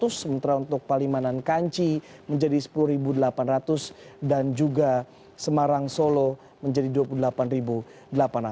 sementara untuk palimanan kanci menjadi rp sepuluh delapan ratus dan juga semarang solo menjadi rp dua puluh delapan delapan ratus